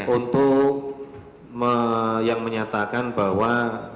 untuk yang menyatakan bahwa